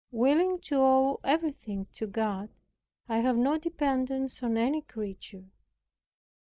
Willing to owe everything to God, I have no dependence on any creature.